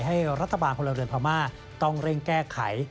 ให้รัฐบาลพลเรือนพม่าต้องเร่งแก้ไข